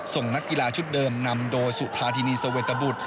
นักกีฬาชุดเดิมนำโดยสุธาธินีสเวนตบุตร